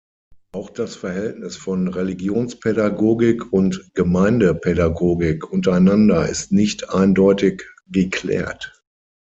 Auch das Verhältnis von Religionspädagogik und Gemeindepädagogik untereinander ist nicht eindeutig geklärt.